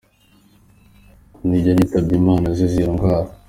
Mu nibwo yitabye Imana azize iyo ndwara.